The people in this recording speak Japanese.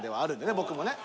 僕もね。